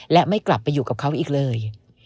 และไม่กลับไปอยู่กับเขาอีกเลย